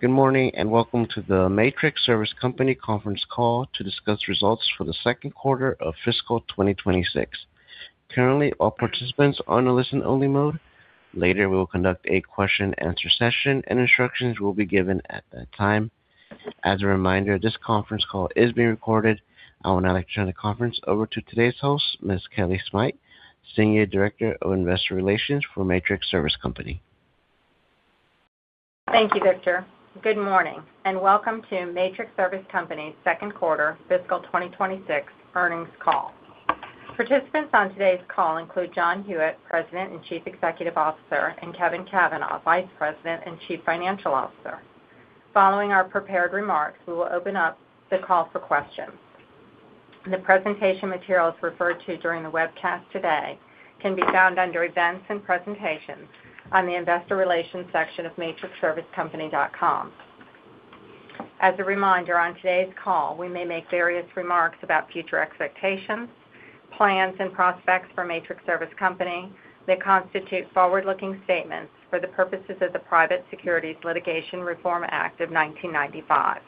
Good morning, and welcome to the Matrix Service Company conference call to discuss results for the second quarter of fiscal 2026. Currently, all participants are on a listen-only mode. Later, we will conduct a question-and-answer session, and instructions will be given at that time. As a reminder, this conference call is being recorded. I would now like to turn the conference over to today's host, Ms. Kellie Smythe, Senior Director of Investor Relations for Matrix Service Company. Thank you, Victor. Good morning, and welcome to Matrix Service Company's second quarter fiscal 2026 earnings call. Participants on today's call include John Hewitt, President and Chief Executive Officer, and Kevin Cavanah, Vice President and Chief Financial Officer. Following our prepared remarks, we will open up the call for questions. The presentation materials referred to during the webcast today can be found under Events and Presentations on the Investor Relations section of matrixservicecompany.com. As a reminder, on today's call, we may make various remarks about future expectations, plans, and prospects for Matrix Service Company that constitute forward-looking statements for the purposes of the Private Securities Litigation Reform Act of 1995.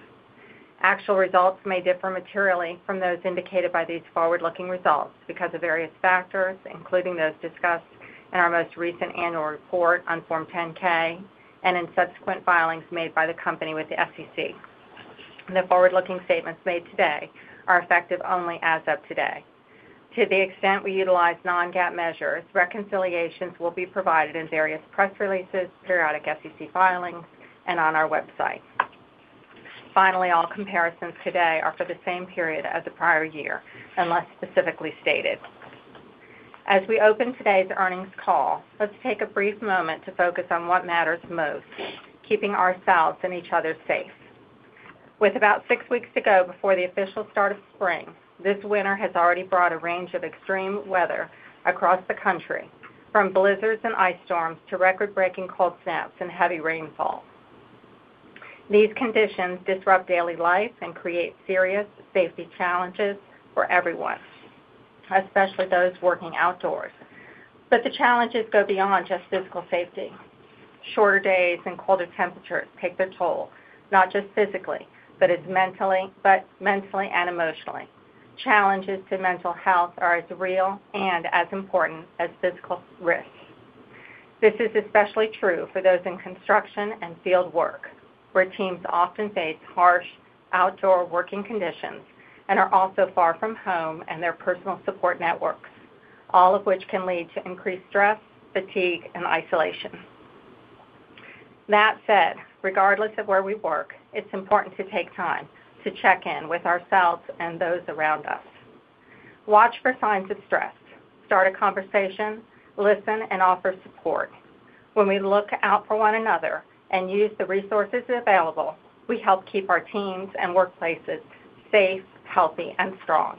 Actual results may differ materially from those indicated by these forward-looking results because of various factors, including those discussed in our most recent annual report on Form 10-K and in subsequent filings made by the company with the SEC. The forward-looking statements made today are effective only as of today. To the extent we utilize non-GAAP measures, reconciliations will be provided in various press releases, periodic SEC filings, and on our website. Finally, all comparisons today are for the same period as the prior year, unless specifically stated. As we open today's earnings call, let's take a brief moment to focus on what matters most, keeping ourselves and each other safe. With about six weeks to go before the official start of spring, this winter has already brought a range of extreme weather across the country, from blizzards and ice storms to record-breaking cold snaps and heavy rainfalls. These conditions disrupt daily life and create serious safety challenges for everyone, especially those working outdoors. But the challenges go beyond just physical safety. Shorter days and colder temperatures take their toll, not just physically, but mentally and emotionally. Challenges to mental health are as real and as important as physical risks. This is especially true for those in construction and field work, where teams often face harsh outdoor working conditions and are also far from home and their personal support networks, all of which can lead to increased stress, fatigue, and isolation. That said, regardless of where we work, it's important to take time to check in with ourselves and those around us. Watch for signs of stress, start a conversation, listen, and offer support. When we look out for one another and use the resources available, we help keep our teams and workplaces safe, healthy, and strong.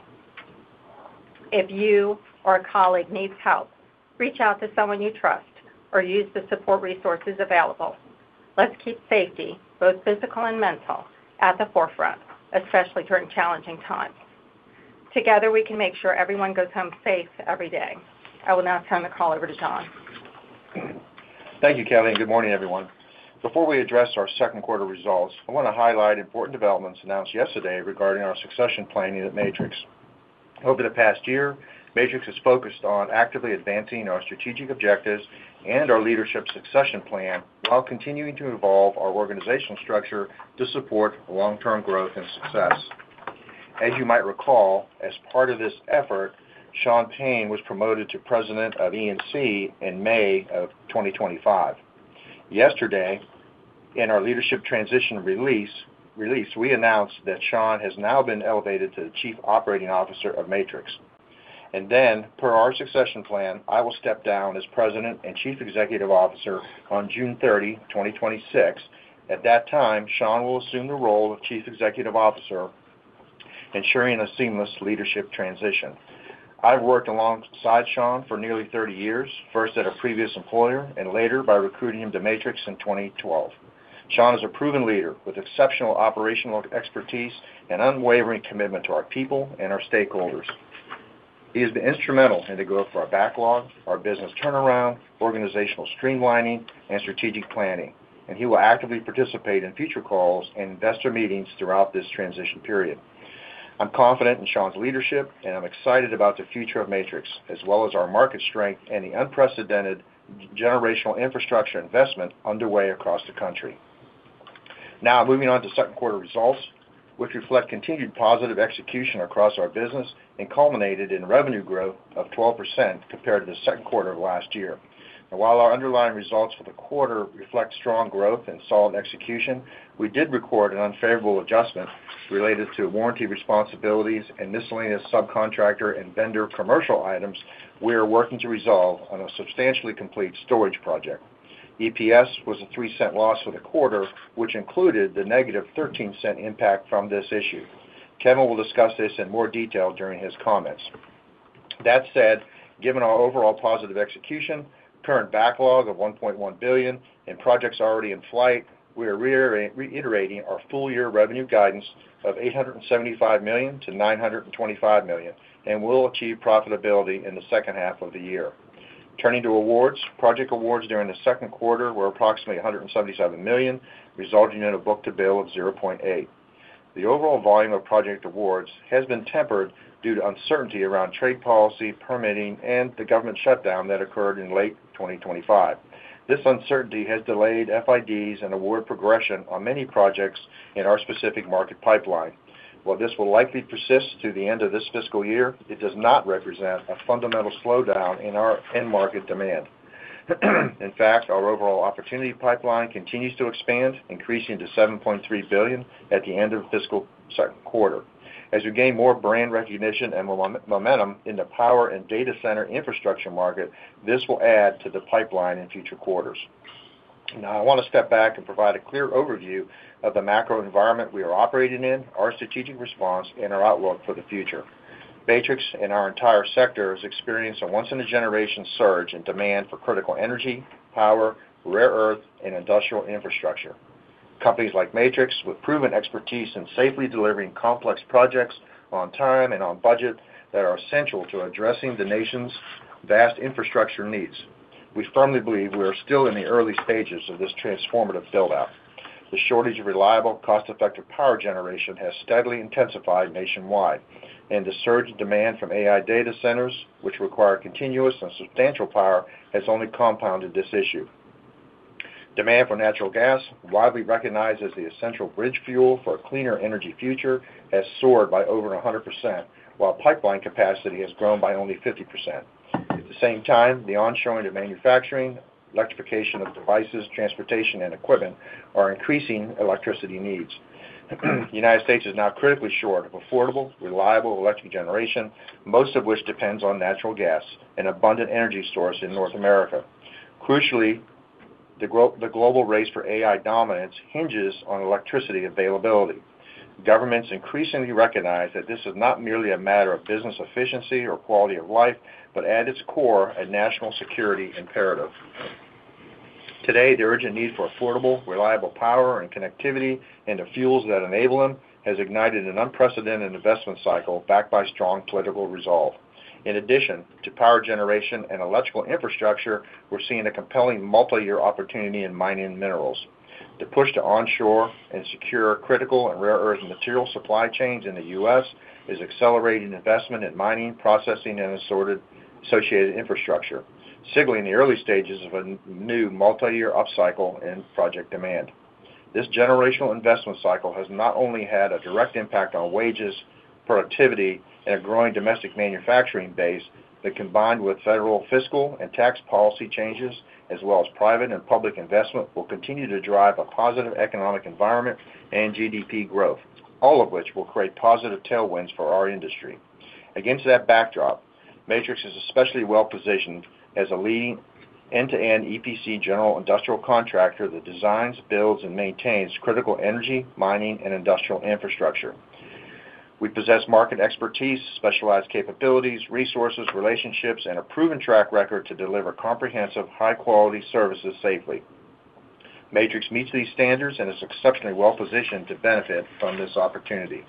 If you or a colleague needs help, reach out to someone you trust or use the support resources available. Let's keep safety, both physical and mental, at the forefront, especially during challenging times. Together, we can make sure everyone goes home safe every day. I will now turn the call over to John. Thank you, Kellie, and good morning, everyone. Before we address our second quarter results, I want to highlight important developments announced yesterday regarding our succession planning at Matrix. Over the past year, Matrix has focused on actively advancing our strategic objectives and our leadership succession plan while continuing to evolve our organizational structure to support long-term growth and success. As you might recall, as part of this effort, Shawn Payne was promoted to President of E&C in May 2025. Yesterday, in our leadership transition release, we announced that Shawn has now been elevated to the Chief Operating Officer of Matrix. Per our succession plan, I will step down as President and Chief Executive Officer on June 30, 2026. At that time, Shawn will assume the role of Chief Executive Officer, ensuring a seamless leadership transition. I've worked alongside Shawn for nearly 30 years, first at a previous employer and later by recruiting him to Matrix in 2012. Shawn is a proven leader with exceptional operational expertise and unwavering commitment to our people and our stakeholders. He has been instrumental in the growth of our backlog, our business turnaround, organizational streamlining, and strategic planning, and he will actively participate in future calls and investor meetings throughout this transition period. I'm confident in Shawn's leadership, and I'm excited about the future of Matrix, as well as our market strength and the unprecedented generational infrastructure investment underway across the country. Now, moving on to second quarter results, which reflect continued positive execution across our business and culminated in revenue growth of 12% compared to the second quarter of last year. And while our underlying results for the quarter reflect strong growth and solid execution, we did record an unfavorable adjustment related to warranty responsibilities and miscellaneous subcontractor and vendor commercial items we are working to resolve on a substantially complete storage project. EPS was a $0.03 loss for the quarter, which included the negative $0.13 impact from this issue. Kevin will discuss this in more detail during his comments. That said, given our overall positive execution, current backlog of $1.1 billion, and projects already in flight, we are reiterating our full-year revenue guidance of $875 million-$925 million, and we'll achieve profitability in the second half of the year.... Turning to awards. Project awards during the second quarter were approximately $177 million, resulting in a book-to-bill of 0.8. The overall volume of project awards has been tempered due to uncertainty around trade policy, permitting, and the government shutdown that occurred in late 2025. This uncertainty has delayed FIDs and award progression on many projects in our specific market pipeline. While this will likely persist through the end of this fiscal year, it does not represent a fundamental slowdown in our end market demand. In fact, our overall opportunity pipeline continues to expand, increasing to $7.3 billion at the end of fiscal second quarter. As we gain more brand recognition and momentum in the power and data center infrastructure market, this will add to the pipeline in future quarters. Now, I want to step back and provide a clear overview of the macro environment we are operating in, our strategic response, and our outlook for the future. Matrix and our entire sector has experienced a once-in-a-generation surge in demand for critical energy, power, rare earth, and industrial infrastructure. Companies like Matrix, with proven expertise in safely delivering complex projects on time and on budget, that are essential to addressing the nation's vast infrastructure needs. We firmly believe we are still in the early stages of this transformative build-out. The shortage of reliable, cost-effective power generation has steadily intensified nationwide, and the surge in demand from AI data centers, which require continuous and substantial power, has only compounded this issue. Demand for natural gas, widely recognized as the essential bridge fuel for a cleaner energy future, has soared by over 100%, while pipeline capacity has grown by only 50%. At the same time, the onshoring of manufacturing, electrification of devices, transportation, and equipment are increasing electricity needs. The United States is now critically short of affordable, reliable electric generation, most of which depends on natural gas, an abundant energy source in North America. Crucially, the global race for AI dominance hinges on electricity availability. Governments increasingly recognize that this is not merely a matter of business efficiency or quality of life, but at its core, a national security imperative. Today, the urgent need for affordable, reliable power and connectivity, and the fuels that enable them, has ignited an unprecedented investment cycle backed by strong political resolve. In addition to power generation and electrical infrastructure, we're seeing a compelling multiyear opportunity in mining minerals. The push to onshore and secure critical and rare earth material supply chains in the U.S. is accelerating investment in mining, processing, and associated infrastructure, signaling the early stages of a new multiyear upcycle in project demand. This generational investment cycle has not only had a direct impact on wages, productivity, and a growing domestic manufacturing base, that combined with federal, fiscal, and tax policy changes, as well as private and public investment, will continue to drive a positive economic environment and GDP growth, all of which will create positive tailwinds for our industry. Against that backdrop, Matrix is especially well-positioned as a leading end-to-end EPC general industrial contractor that designs, builds, and maintains critical energy, mining, and industrial infrastructure. We possess market expertise, specialized capabilities, resources, relationships, and a proven track record to deliver comprehensive, high-quality services safely. Matrix meets these standards and is exceptionally well positioned to benefit from this opportunity.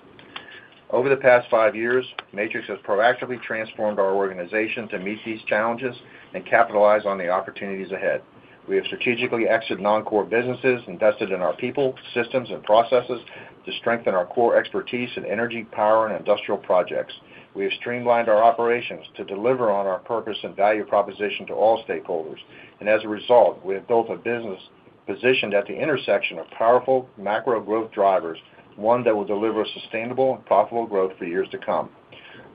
Over the past five years, Matrix has proactively transformed our organization to meet these challenges and capitalize on the opportunities ahead. We have strategically exited non-core businesses, invested in our people, systems, and processes to strengthen our core expertise in energy, power, and industrial projects. We have streamlined our operations to deliver on our purpose and value proposition to all stakeholders, and as a result, we have built a business positioned at the intersection of powerful macro growth drivers, one that will deliver sustainable and profitable growth for years to come.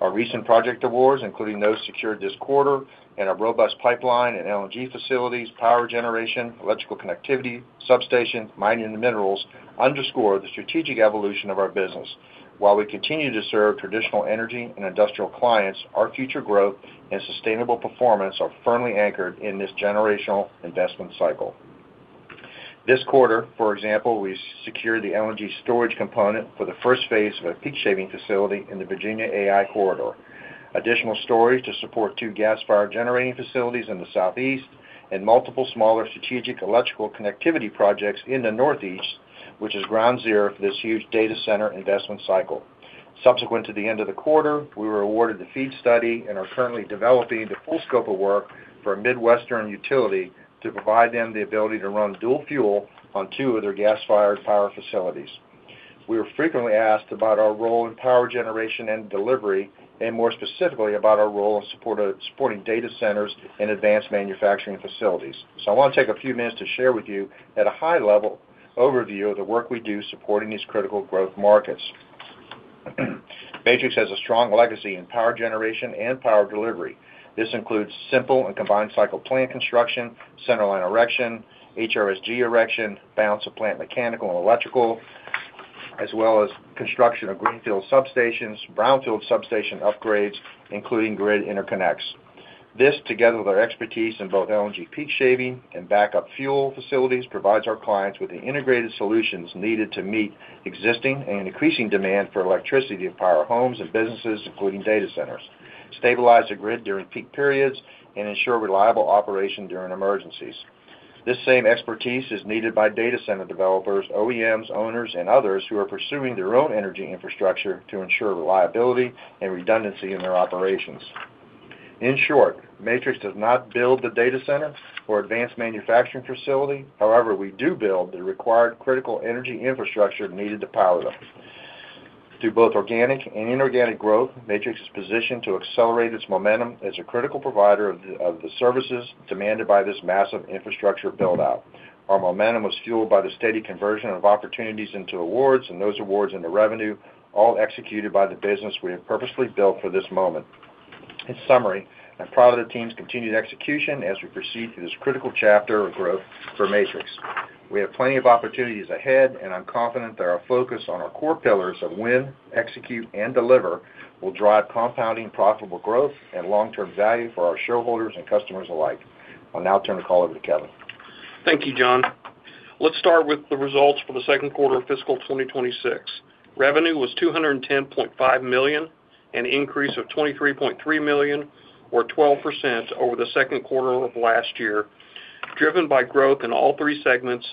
Our recent project awards, including those secured this quarter and our robust pipeline in LNG facilities, power generation, electrical connectivity, substation, mining, and minerals, underscore the strategic evolution of our business. While we continue to serve traditional energy and industrial clients, our future growth and sustainable performance are firmly anchored in this generational investment cycle. This quarter, for example, we secured the LNG storage component for the first phase of a peak shaving facility in the Virginia AI corridor. Additional storage to support two gas-fired generating facilities in the Southeast and multiple smaller strategic electrical connectivity projects in the Northeast, which is ground zero for this huge data center investment cycle. Subsequent to the end of the quarter, we were awarded the FEED study and are currently developing the full scope of work for a Midwestern utility to provide them the ability to run dual fuel on two of their gas-fired power facilities. We are frequently asked about our role in power generation and delivery, and more specifically, about our role in support of-- supporting data centers and advanced manufacturing facilities. So I want to take a few minutes to share with you, at a high level, overview of the work we do supporting these critical growth markets. Matrix has a strong legacy in power generation and power delivery. This includes simple and combined cycle plant construction, center line erection, HRSG erection, balance of plant, mechanical and electrical, as well as construction of greenfield substations, brownfield substation upgrades, including grid interconnects. This, together with our expertise in both LNG peak shaving and backup fuel facilities, provides our clients with the integrated solutions needed to meet existing and increasing demand for electricity to power homes and businesses, including data centers, stabilize the grid during peak periods, and ensure reliable operation during emergencies... This same expertise is needed by data center developers, OEMs, owners, and others who are pursuing their own energy infrastructure to ensure reliability and redundancy in their operations. In short, Matrix does not build the data center or advanced manufacturing facility. However, we do build the required critical energy infrastructure needed to power them. Through both organic and inorganic growth, Matrix is positioned to accelerate its momentum as a critical provider of the services demanded by this massive infrastructure build-out. Our momentum was fueled by the steady conversion of opportunities into awards, and those awards into revenue, all executed by the business we have purposely built for this moment. In summary, I'm proud of the team's continued execution as we proceed through this critical chapter of growth for Matrix. We have plenty of opportunities ahead, and I'm confident that our focus on our core pillars of win, execute, and deliver will drive compounding profitable growth and long-term value for our shareholders and customers alike. I'll now turn the call over to Kevin. Thank you, John. Let's start with the results for the second quarter of fiscal 2026. Revenue was $210.5 million, an increase of $23.3 million, or 12%, over the second quarter of last year, driven by growth in all three segments,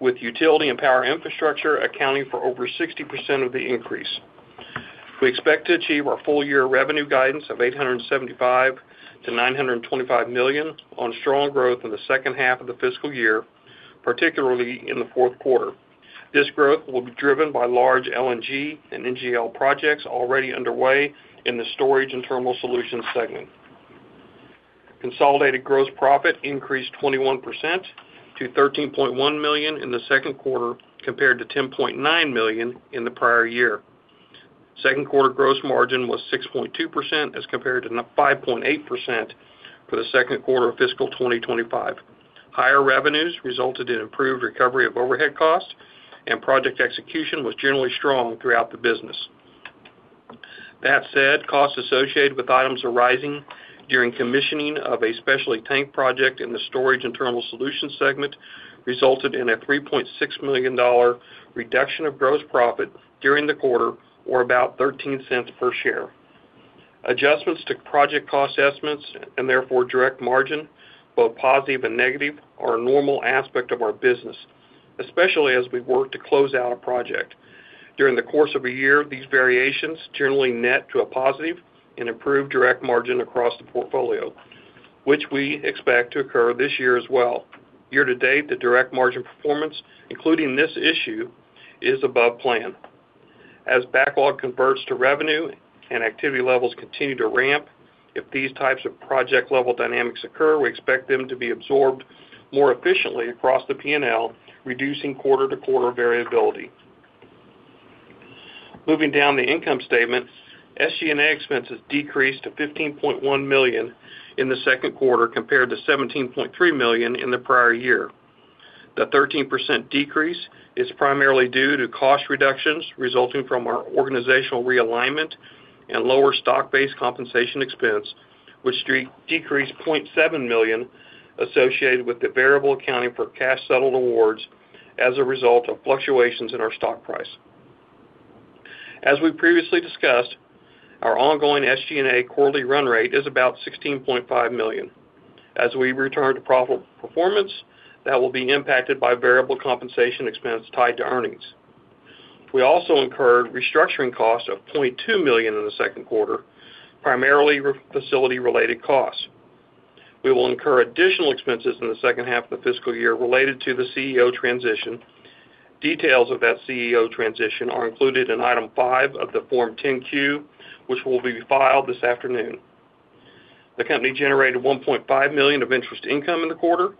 with utility and power infrastructure accounting for over 60% of the increase. We expect to achieve our full-year revenue guidance of $875 million-$925 million on strong growth in the second half of the fiscal year, particularly in the fourth quarter. This growth will be driven by large LNG and NGL projects already underway in the storage and thermal solutions segment. Consolidated gross profit increased 21% to $13.1 million in the second quarter, compared to $10.9 million in the prior year. Second quarter gross margin was 6.2% as compared to 5.8% for the second quarter of fiscal 2025. Higher revenues resulted in improved recovery of overhead costs, and project execution was generally strong throughout the business. That said, costs associated with items arising during commissioning of a specialty tank project in the storage and thermal solutions segment resulted in a $3.6 million reduction of gross profit during the quarter, or about $0.13 per share. Adjustments to project cost estimates, and therefore direct margin, both positive and negative, are a normal aspect of our business, especially as we work to close out a project. During the course of a year, these variations generally net to a positive and improve direct margin across the portfolio, which we expect to occur this year as well. Year to date, the direct margin performance, including this issue, is above plan. As backlog converts to revenue and activity levels continue to ramp, if these types of project-level dynamics occur, we expect them to be absorbed more efficiently across the P&L, reducing quarter-to-quarter variability. Moving down the income statement, SG&A expenses decreased to $15.1 million in the second quarter, compared to $17.3 million in the prior year. The 13% decrease is primarily due to cost reductions resulting from our organizational realignment and lower stock-based compensation expense, which decreased $0.7 million, associated with the variable accounting for cash-settled awards as a result of fluctuations in our stock price. As we previously discussed, our ongoing SG&A quarterly run rate is about $16.5 million. As we return to profitable performance, that will be impacted by variable compensation expense tied to earnings. We also incurred restructuring costs of $0.2 million in the second quarter, primarily facility-related costs. We will incur additional expenses in the second half of the fiscal year related to the CEO transition. Details of that CEO transition are included in Item 5 of the Form 10-Q, which will be filed this afternoon. The company generated $1.5 million of interest income in the quarter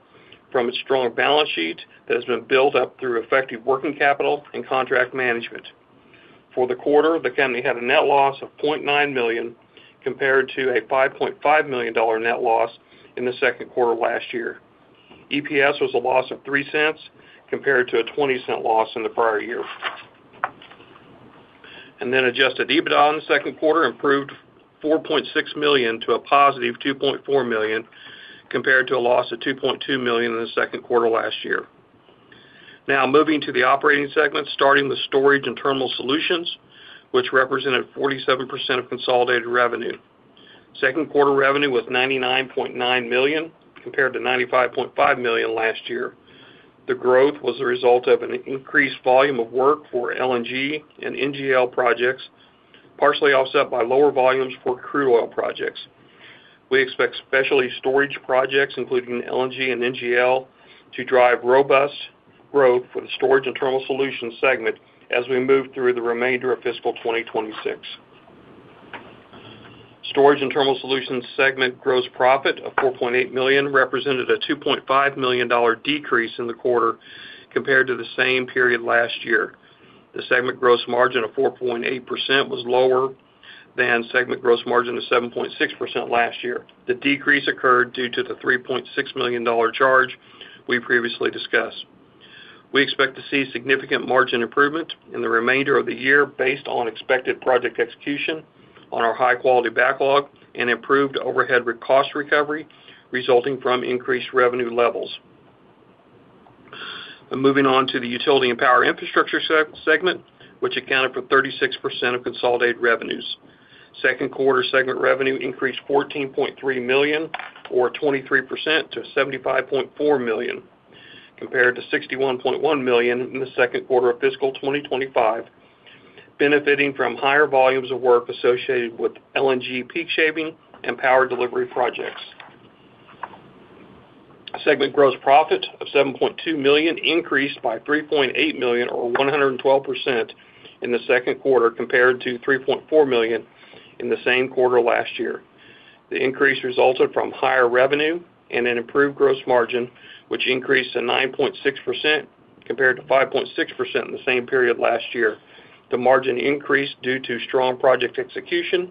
from its strong balance sheet that has been built up through effective working capital and contract management. For the quarter, the company had a net loss of $0.9 million, compared to a $5.5 million net loss in the second quarter last year. EPS was a loss of $0.03, compared to a $0.20 loss in the prior year. And then adjusted EBITDA in the second quarter improved $4.6 million to a positive $2.4 million, compared to a loss of $2.2 million in the second quarter last year. Now, moving to the operating segment, starting with storage and thermal solutions, which represented 47% of consolidated revenue. Second quarter revenue was $99.9 million, compared to $95.5 million last year. The growth was a result of an increased volume of work for LNG and NGL projects, partially offset by lower volumes for crude oil projects. We expect specialty storage projects, including LNG and NGL, to drive robust growth for the storage and thermal solutions segment as we move through the remainder of fiscal 2026. Storage and thermal solutions segment gross profit of $4.8 million represented a $2.5 million decrease in the quarter compared to the same period last year. The segment gross margin of 4.8% was lower than segment gross margin of 7.6% last year. The decrease occurred due to the $3.6 million charge we previously discussed. We expect to see significant margin improvement in the remainder of the year based on expected project execution on our high-quality backlog and improved overhead recovery resulting from increased revenue levels. Moving on to the utility and power infrastructure segment, which accounted for 36% of consolidated revenues. Second quarter segment revenue increased $14.3 million, or 23%, to $75.4 million, compared to $61.1 million in the second quarter of fiscal 2025, benefiting from higher volumes of work associated with LNG peak shaving and power delivery projects. Segment gross profit of $7.2 million increased by $3.8 million, or 112%, in the second quarter compared to $3.4 million in the same quarter last year. The increase resulted from higher revenue and an improved gross margin, which increased to 9.6% compared to 5.6% in the same period last year. The margin increased due to strong project execution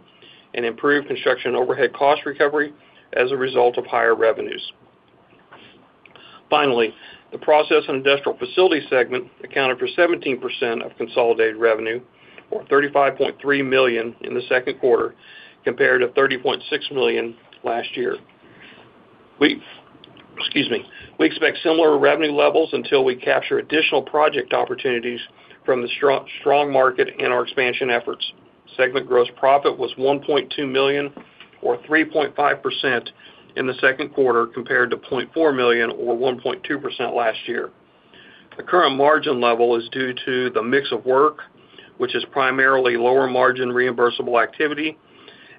and improved construction overhead cost recovery as a result of higher revenues. Finally, the process and industrial facility segment accounted for 17% of consolidated revenue, or $35.3 million in the second quarter, compared to $30.6 million last year. We, excuse me. We expect similar revenue levels until we capture additional project opportunities from the strong market and our expansion efforts. Segment gross profit was $1.2 million, or 3.5%, in the second quarter compared to $0.4 million, or 1.2% last year. The current margin level is due to the mix of work, which is primarily lower margin reimbursable activity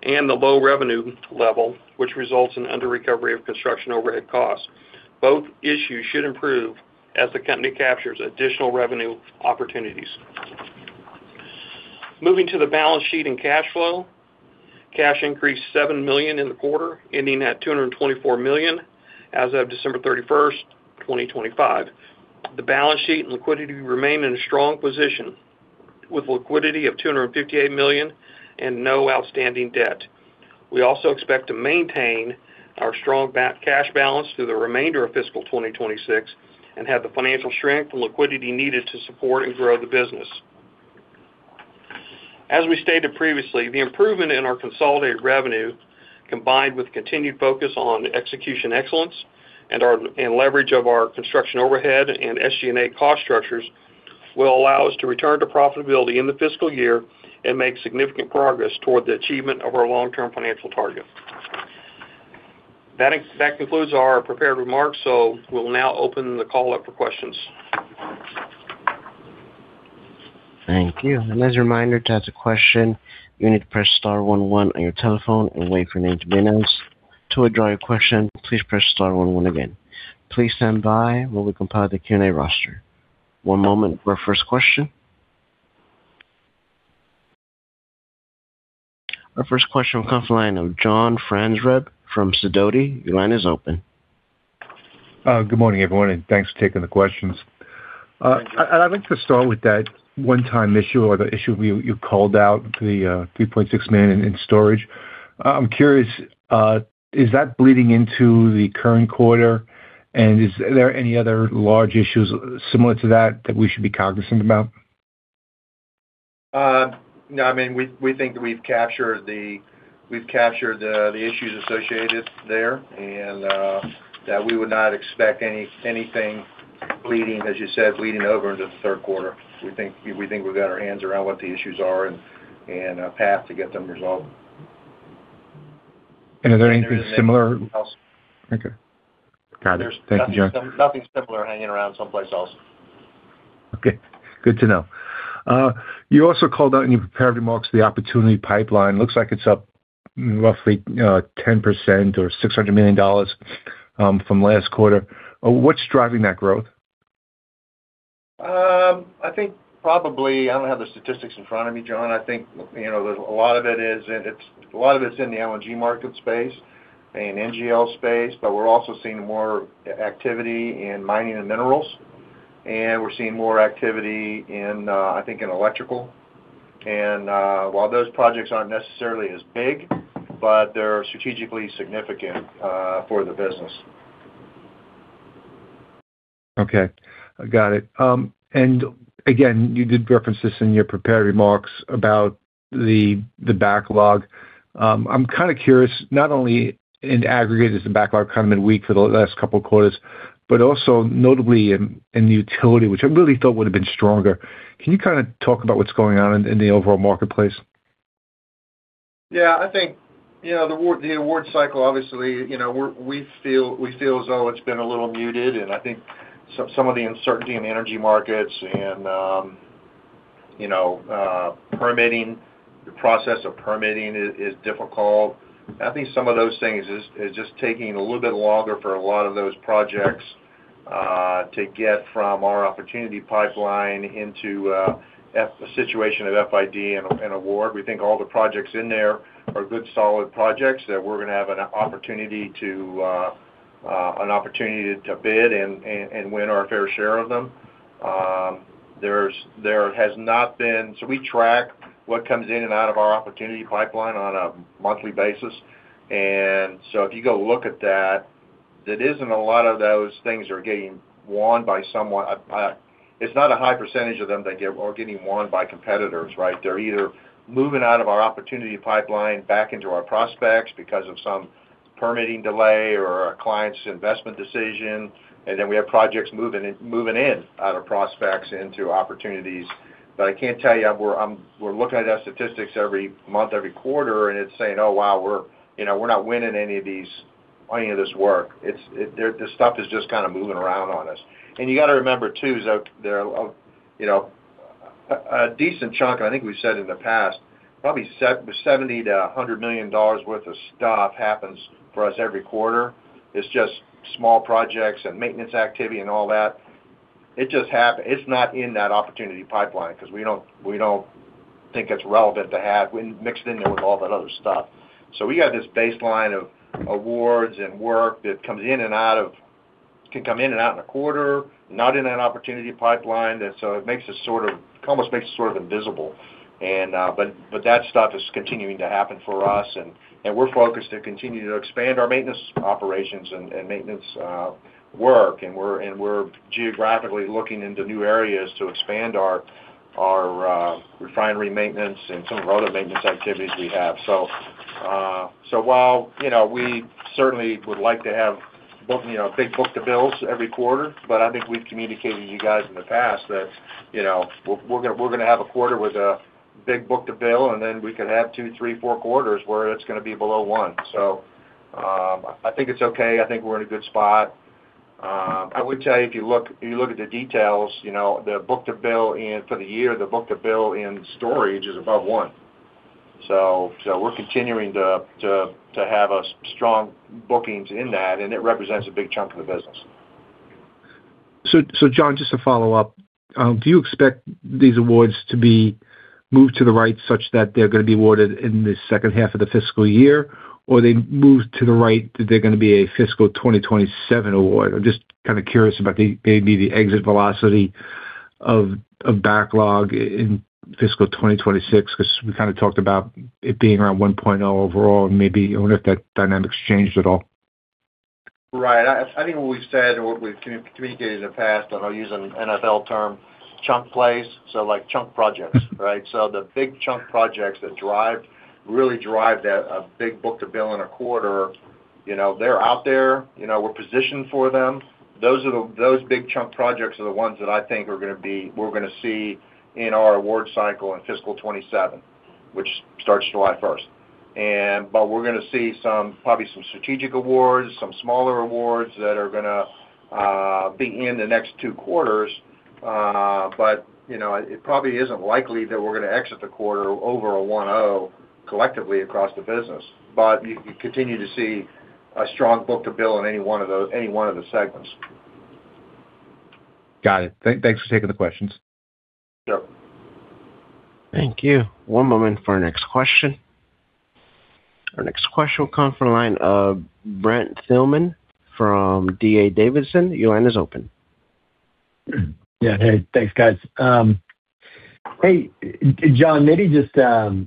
and the low revenue level, which results in under recovery of construction overhead costs. Both issues should improve as the company captures additional revenue opportunities. Moving to the balance sheet and cash flow. Cash increased $7 million in the quarter, ending at $224 million as of December 31, 2025. The balance sheet and liquidity remain in a strong position, with liquidity of $258 million and no outstanding debt. We also expect to maintain our strong cash balance through the remainder of fiscal 2026 and have the financial strength and liquidity needed to support and grow the business. As we stated previously, the improvement in our consolidated revenue, combined with continued focus on execution excellence and our and leverage of our construction, overhead and SG&A cost structures, will allow us to return to profitability in the fiscal year and make significant progress toward the achievement of our long-term financial targets. That concludes our prepared remarks, so we'll now open the call up for questions. Thank you. And as a reminder, to ask a question, you need to press star one one on your telephone and wait for your name to be announced. To withdraw your question, please press star one one again. Please stand by while we compile the Q&A roster. One moment for our first question. Our first question will come from the line of John Franzreb from Sidoti. Your line is open. Good morning, everyone, and thanks for taking the questions. I, I'd like to start with that one-time issue or the issue you, you called out, the $3.6 million in storage. I'm curious, is that bleeding into the current quarter? And is there any other large issues similar to that, that we should be cognizant about? No, I mean, we think we've captured the issues associated there, and that we would not expect anything bleeding, as you said, bleeding over into the third quarter. We think we've got our hands around what the issues are and a path to get them resolved. Are there anything similar? Okay, got it. Thank you, John. Nothing similar hanging around someplace else. Okay, good to know. You also called out in your prepared remarks, the opportunity pipeline. Looks like it's up roughly 10% or $600 million from last quarter. What's driving that growth? I think probably I don't have the statistics in front of me, John. I think, you know, a lot of it is in the LNG market space and NGL space, but we're also seeing more activity in mining and minerals, and we're seeing more activity in, I think, electrical. While those projects aren't necessarily as big, but they're strategically significant for the business. Okay, got it. And again, you did reference this in your prepared remarks about the, the backlog. I'm kind of curious, not only in aggregate, is the backlog kind of been weak for the last couple of quarters, but also notably in, in utility, which I really thought would have been stronger. Can you kind of talk about what's going on in, in the overall marketplace? Yeah, I think, you know, the award, the award cycle, obviously, you know, we're, we feel, we feel as though it's been a little muted, and I think some, some of the uncertainty in the energy markets and, you know, permitting, the process of permitting is, is difficult. I think some of those things is, is just taking a little bit longer for a lot of those projects to get from our opportunity pipeline into a situation of FID and, and award. We think all the projects in there are good, solid projects, that we're gonna have an opportunity to, an opportunity to bid and, and, and win our fair share of them. So we track what comes in and out of our opportunity pipeline on a monthly basis. And so if you go look at that, there isn't a lot of those things are getting won by someone.... It's not a high percentage of them that get are getting won by competitors, right? They're either moving out of our opportunity pipeline back into our prospects because of some permitting delay or a client's investment decision, and then we have projects moving in, moving in out of prospects into opportunities. But I can't tell you, we're, we're looking at our statistics every month, every quarter, and it's saying, "Oh, wow, we're, you know, we're not winning any of these, any of this work." It's The, the stuff is just kind of moving around on us. And you got to remember, too, is that there are, you know, a, a decent chunk, I think we said in the past, probably seventy to a hundred million dollars worth of stuff happens for us every quarter. It's just small projects and maintenance activity and all that. It's not in that opportunity pipeline because we don't, we don't think it's relevant to have mixed in there with all that other stuff. So we got this baseline of awards and work that comes in and out of, can come in and out in a quarter, not in an opportunity pipeline, and so it makes it sort of, almost makes it sort of invisible. And, but, but that stuff is continuing to happen for us, and, and we're focused to continue to expand our maintenance operations and, and maintenance, work, and we're, and we're geographically looking into new areas to expand our, our, refinery maintenance and some of our other maintenance activities we have. So, so while, you know, we certainly would like to have, you know, a big book-to-bill every quarter, but I think we've communicated to you guys in the past that, you know, we're, we're gonna have a quarter with a big book-to-bill, and then we could have two, three, four quarters where it's gonna be below one. So, I think it's okay. I think we're in a good spot. I would tell you, if you look, if you look at the details, you know, the book-to-bill in for the year, the book-to-bill in storage is above one. So, so we're continuing to, to, to have strong bookings in that, and it represents a big chunk of the business. So, John, just to follow up, do you expect these awards to be moved to the right, such that they're gonna be awarded in the second half of the fiscal year, or they move to the right, that they're gonna be a fiscal 2027 award? I'm just kind of curious about maybe the exit velocity of backlog in fiscal 2026, 'cause we kind of talked about it being around 1.0 overall, and maybe I wonder if that dynamic's changed at all. Right. I think what we've said or what we've communicated in the past, and I'll use an NFL term, chunk plays, so like chunk projects, right? So the big chunk projects that really drive that big book-to-bill in a quarter, you know, they're out there. You know, we're positioned for them. Those are the—those big chunk projects are the ones that I think are gonna be—we're gonna see in our award cycle in fiscal 2027, which starts July 1. But we're gonna see some, probably some strategic awards, some smaller awards that are gonna be in the next two quarters. But, you know, it probably isn't likely that we're gonna exit the quarter over a 1.0 collectively across the business. But you, you continue to see a strong Book-to-Bill in any one of those, any one of the segments. Got it. Thanks for taking the questions. Sure. Thank you. One moment for our next question. Our next question will come from the line of Brent Thielman from D.A. Davidson. Your line is open. Yeah. Hey, thanks, guys. Hey, John, maybe just to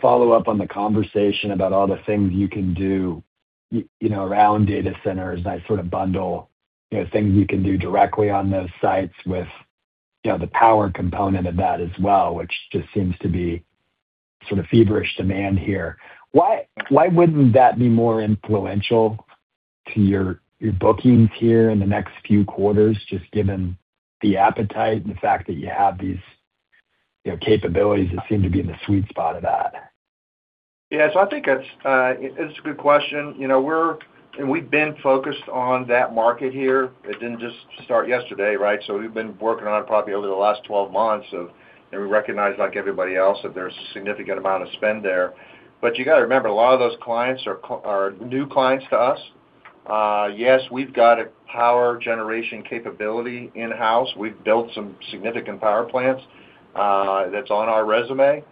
follow up on the conversation about all the things you can do, you know, around data centers, that sort of bundle, you know, things you can do directly on those sites with, you know, the power component of that as well, which just seems to be sort of feverish demand here. Why wouldn't that be more influential to your bookings here in the next few quarters, just given the appetite and the fact that you have these, you know, capabilities that seem to be in the sweet spot of that? Yeah, so I think that's, it's a good question. You know, we're and we've been focused on that market here. It didn't just start yesterday, right? So we've been working on it probably over the last 12 months. So and we recognize, like everybody else, that there's a significant amount of spend there. But you got to remember, a lot of those clients are new clients to us. Yes, we've got a power generation capability in-house. We've built some significant power plants, that's on our resume.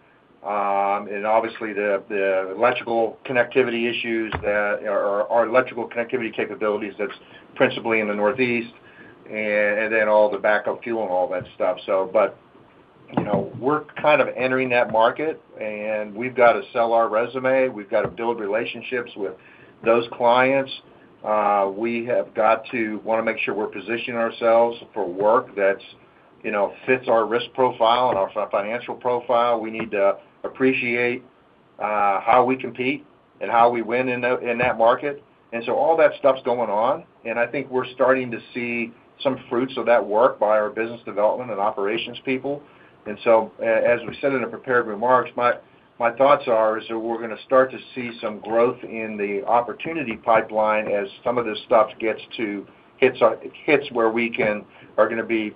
And obviously, the electrical connectivity issues. Or electrical connectivity capabilities, that's principally in the Northeast, and then all the backup fuel and all that stuff. So but, you know, we're kind of entering that market, and we've got to sell our resume. We've got to build relationships with those clients. We have got to wanna make sure we're positioning ourselves for work that's, you know, fits our risk profile and our financial profile. We need to appreciate how we compete and how we win in that, in that market. And so all that stuff's going on, and I think we're starting to see some fruits of that work by our business development and operations people. And so as we said in the prepared remarks, my, my thoughts are is that we're gonna start to see some growth in the opportunity pipeline as some of this stuff hits where we can are gonna be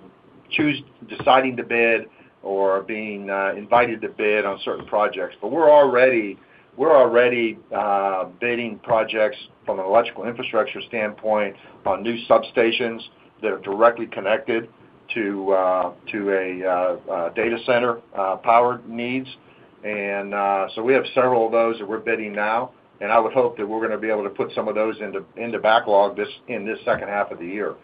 deciding to bid or being invited to bid on certain projects. But we're already, we're already, bidding projects from an electrical infrastructure standpoint on new substations that are directly connected to a data center power needs. And, so we have several of those that we're bidding now, and I would hope that we're gonna be able to put some of those into backlog in this second half of the year.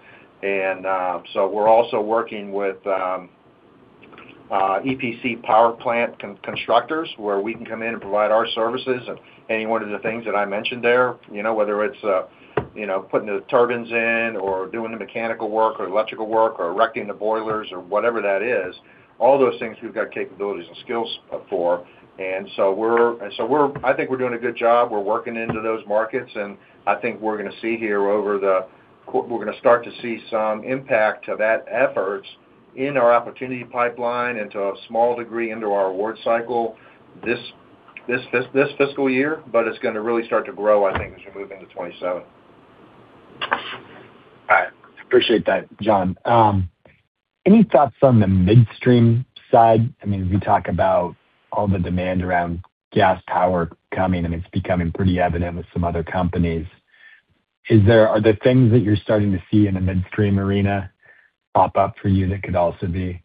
And, so we're also working with EPC power plant constructors, where we can come in and provide our services. And any one of the things that I mentioned there, you know, whether it's, you know, putting the turbines in or doing the mechanical work or electrical work or erecting the boilers or whatever that is, all those things we've got capabilities and skills for. I think we're doing a good job. We're working into those markets, and I think we're gonna start to see some impact to that efforts in our opportunity pipeline and to a small degree, into our award cycle this fiscal year, but it's gonna really start to grow, I think, as we move into 2027. All right. Appreciate that, John. Any thoughts on the midstream side? I mean, as we talk about all the demand around gas power coming, and it's becoming pretty evident with some other companies, are there things that you're starting to see in the midstream arena pop up for you that could also be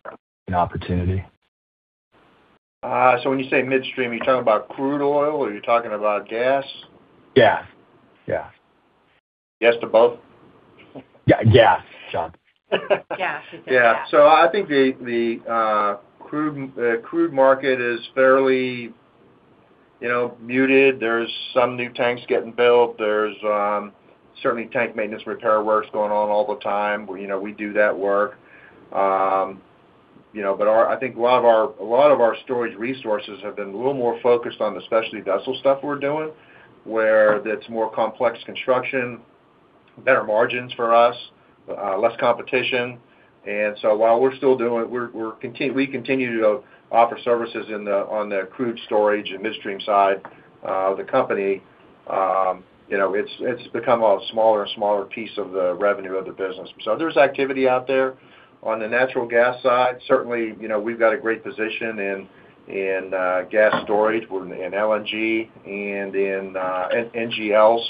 an opportunity? So when you say midstream, are you talking about crude oil, or are you talking about gas? Gas. Gas. Yes to both? Yeah. Gas, John. Gas. He said gas. Yeah. So I think the crude market is fairly, you know, muted. There's some new tanks getting built. There's certainly tank maintenance, repair works going on all the time. You know, we do that work. You know, but our—I think a lot of our storage resources have been a little more focused on the specialty vessel stuff we're doing, where that's more complex construction, better margins for us, less competition. And so while we're still doing—we continue to offer services in the on the crude storage and midstream side, the company, you know, it's become a smaller and smaller piece of the revenue of the business. So there's activity out there. On the natural gas side, certainly, you know, we've got a great position in gas storage, in LNG and in NGLs,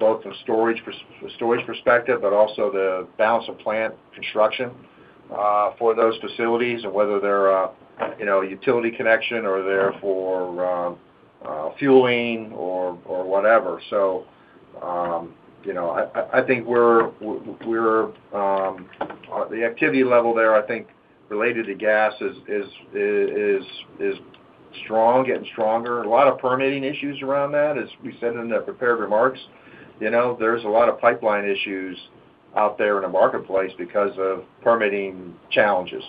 both from a storage perspective, but also the balance of plant construction for those facilities and whether they're a utility connection or they're for fueling or whatever. So, you know, I think the activity level there, I think, related to gas is strong, getting stronger. A lot of permitting issues around that, as we said in the prepared remarks. You know, there's a lot of pipeline issues out there in the marketplace because of permitting challenges.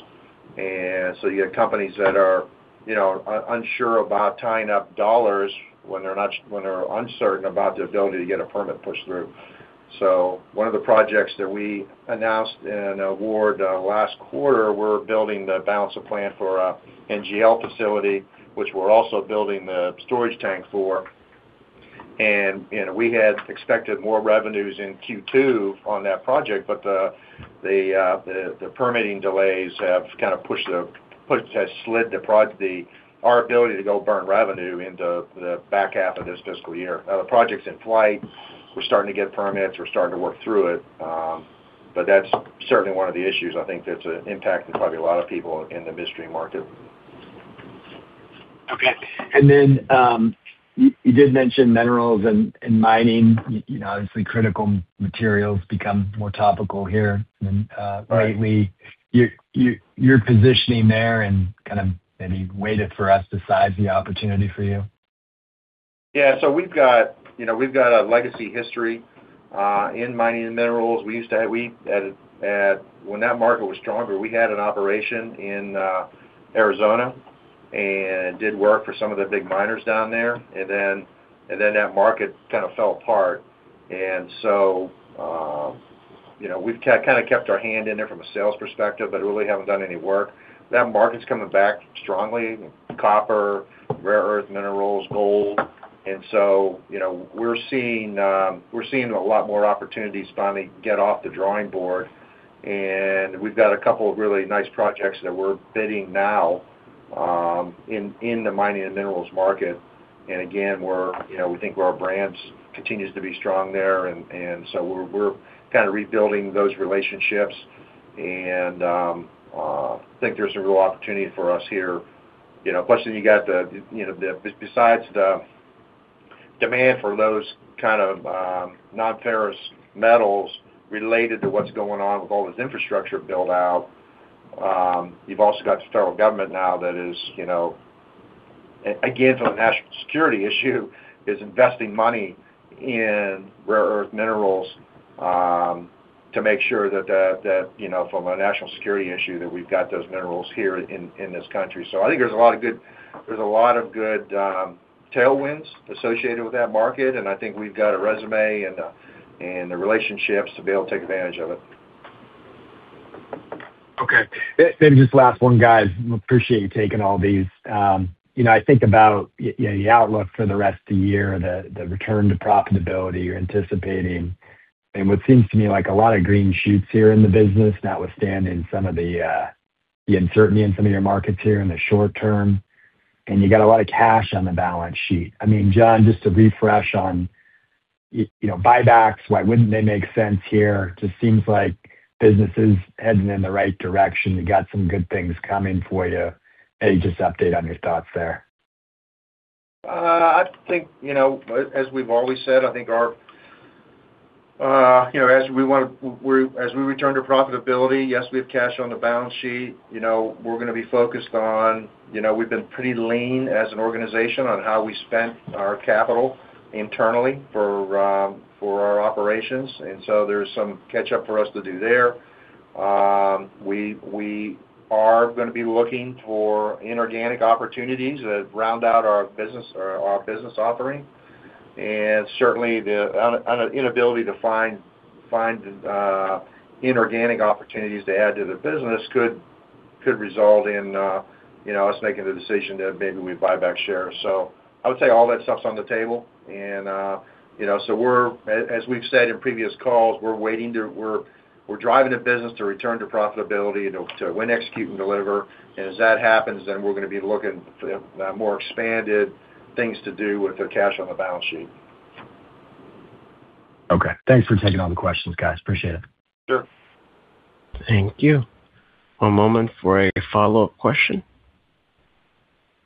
So you have companies that are, you know, unsure about tying up dollars when they're not—when they're uncertain about the ability to get a permit pushed through. So one of the projects that we announced an award last quarter, we're building the balance of plant for a NGL facility, which we're also building the storage tank for. And, you know, we had expected more revenues in Q2 on that project, but the permitting delays have kind of pushed has slid our ability to go burn revenue into the back half of this fiscal year. The project's in flight. We're starting to get permits, we're starting to work through it. But that's certainly one of the issues, I think, that's impacting probably a lot of people in the midstream market. Okay. And then, you did mention minerals and mining. You know, obviously, critical materials become more topical here. Right. Lately, your positioning there and kind of maybe waited for us to size the opportunity for you? Yeah. So we've got, you know, we've got a legacy history in mining and minerals. We used to have. When that market was stronger, we had an operation in Arizona and did work for some of the big miners down there, and then that market kind of fell apart. And so, you know, we've kind of kept our hand in there from a sales perspective, but really haven't done any work. That market's coming back strongly, copper, rare earth minerals, gold. And so, you know, we're seeing a lot more opportunities finally get off the drawing board, and we've got a couple of really nice projects that we're bidding now in the mining and minerals market. And again, we're, you know, we think our brands continues to be strong there, and, and so we're, we're kind of rebuilding those relationships. And, I think there's a real opportunity for us here. You know, plus, then you got the, you know, the, besides the demand for those kind of non-ferrous metals related to what's going on with all this infrastructure build-out, you've also got the federal government now that is, you know, again, from a national security issue, is investing money in rare earth minerals, to make sure that the, you know, from a national security issue, that we've got those minerals here in this country. So I think there's a lot of good tailwinds associated with that market, and I think we've got a resume and the relationships to be able to take advantage of it. Okay. Maybe just last one, guys. Appreciate you taking all these. You know, I think about, you know, the outlook for the rest of the year, the return to profitability you're anticipating, and what seems to me like a lot of green shoots here in the business, notwithstanding some of the uncertainty in some of your markets here in the short term, and you got a lot of cash on the balance sheet. I mean, John, just to refresh on, you know, buybacks, why wouldn't they make sense here? Just seems like business is heading in the right direction. You got some good things coming for you. Any just update on your thoughts there?... I think, you know, as we've always said, I think our, you know, as we return to profitability, yes, we have cash on the balance sheet, you know, we're gonna be focused on, you know, we've been pretty lean as an organization on how we spent our capital internally for, for our operations, and so there's some catch-up for us to do there. We are gonna be looking for inorganic opportunities that round out our business, or our business offering. And certainly, the inability to find, uh, inorganic opportunities to add to the business could result in, you know, us making the decision that maybe we buy back shares. So I would say all that stuff's on the table, and, you know, so we're... As we've said in previous calls, we're driving the business to return to profitability, to win, execute, and deliver. And as that happens, then we're gonna be looking for the more expanded things to do with the cash on the balance sheet. Okay. Thanks for taking all the questions, guys. Appreciate it. Sure. Thank you. One moment for a follow-up question.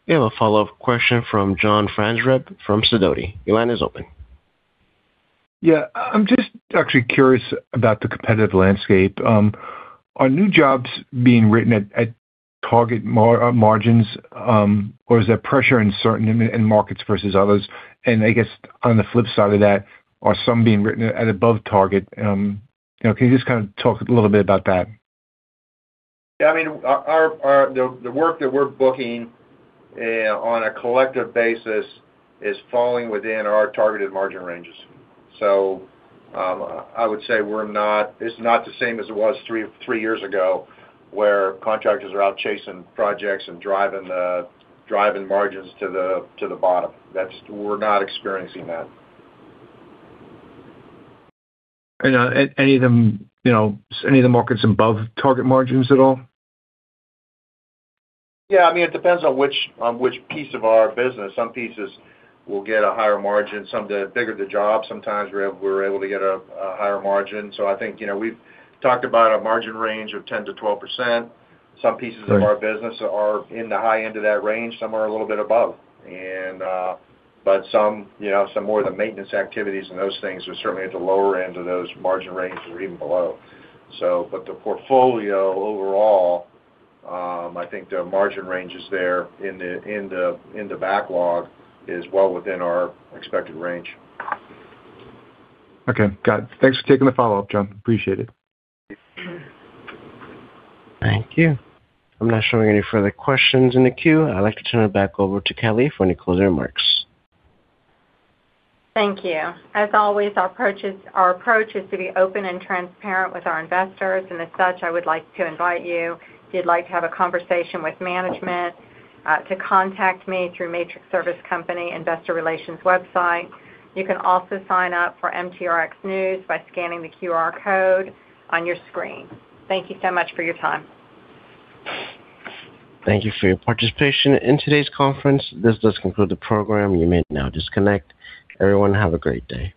We have a follow-up question from John Franzreb from Sidoti. Your line is open. Yeah, I'm just actually curious about the competitive landscape. Are new jobs being written at target margins, or is there pressure in certain markets versus others? And I guess on the flip side of that, are some being written at above target? You know, can you just kind of talk a little bit about that? Yeah, I mean, our work that we're booking on a collective basis is falling within our targeted margin ranges. So, I would say we're not, it's not the same as it was three years ago, where contractors are out chasing projects and driving margins to the bottom. That's... We're not experiencing that. Any of them, you know, any of the markets above target margins at all? Yeah, I mean, it depends on which, on which piece of our business. Some pieces will get a higher margin, some the bigger the job, sometimes we're, we're able to get a, a higher margin. So I think, you know, we've talked about a margin range of 10%-12%. Right. Some pieces of our business are in the high end of that range, some are a little bit above. But some, you know, some more of the maintenance activities and those things are certainly at the lower end of those margin ranges or even below. But the portfolio overall, I think the margin ranges there in the backlog is well within our expected range. Okay, got it. Thanks for taking the follow-up, John. Appreciate it. Thank you. I'm not showing any further questions in the queue. I'd like to turn it back over to Kellie for any closing remarks. Thank you. As always, our approach is, our approach is to be open and transparent with our investors, and as such, I would like to invite you, if you'd like to have a conversation with management, to contact me through Matrix Service Company Investor Relations website. You can also sign up for MTRX news by scanning the QR code on your screen. Thank you so much for your time. Thank you for your participation in today's conference. This does conclude the program. You may now disconnect. Everyone, have a great day.